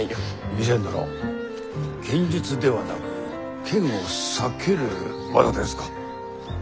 義仙殿剣術ではなく剣を避ける技ですか？